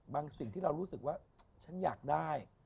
สิ่งที่เรารู้สึกว่าฉันอยากได้